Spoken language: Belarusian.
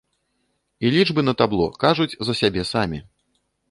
І лічбы на табло кажуць за сябе самі.